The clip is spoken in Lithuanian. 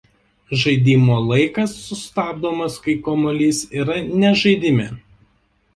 Žaidimo laikas sustabdomas kai kamuolys yra ne žaidime.